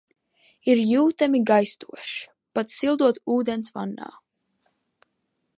Ir jūtami gaistošs, pat sildot ūdens vannā.